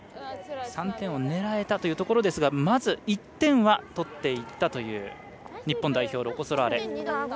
３点を狙えたというところですがまず１点は取っていったという日本代表、ロコ・ソラーレ。